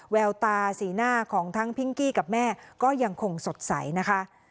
แววตาสีหน้าของทั้งพิงกี้กับแม่ก็ยังคงสดใสนะคะ